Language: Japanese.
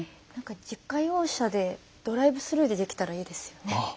自家用車でドライブスルーでできたらいいですよね。